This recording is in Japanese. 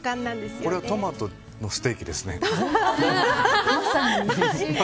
これはトマトのステーキですね。